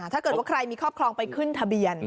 ถ้าเกิดว่าใครมีครอบครองไปขึ้นทะเบียน